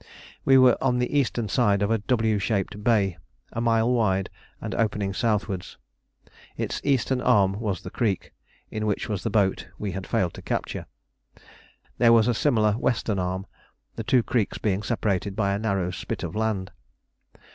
We were on the eastern side of a W shaped bay, a mile wide, and opening southwards. Its eastern arm was the creek, in which was the boat we had failed to capture. There was a similar western arm, the two creeks being separated by a narrow spit of land.